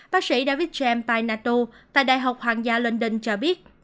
bác sĩ david james paynato tại đại học hoàng gia london cho biết